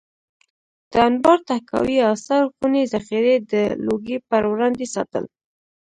د انبار، تحکاوي او سړو خونې ذخیرې د لوږې پر وړاندې ساتل.